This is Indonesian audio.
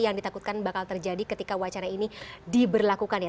yang ditakutkan bakal terjadi ketika wacana ini diberlakukan